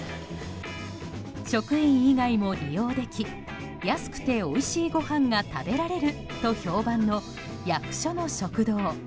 職員以外も利用でき安くて、おいしいごはんが食べられると評判の役所の食堂。